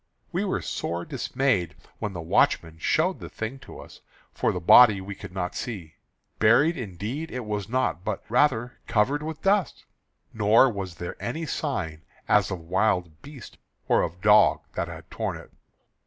We were sore dismayed when the watchman showed the thing to us; for the body we could not see. Buried indeed it was not, but rather covered with dust. Nor was there any sign as of wild beast or of dog that had torn it.